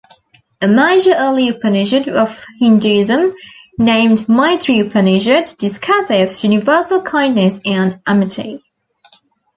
A major early Upanishad of Hinduism, named Maitri Upanishad, discusses universal kindness and amity.